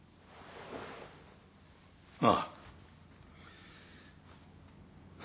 ああ。